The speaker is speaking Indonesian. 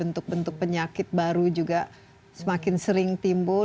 untuk bentuk penyakit baru juga semakin sering timbul